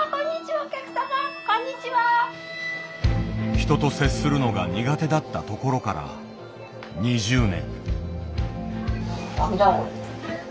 人と接するのが苦手だったところから２０年。